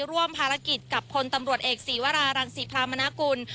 ร่วมภารกิจกับพลตำรวจเอกศีวรารังศรีพรามนากุล